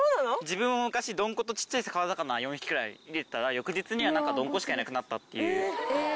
自分も昔ドンコと小っちゃい川魚４匹ぐらい入れてたら翌日にはドンコしかいなくなったっていう。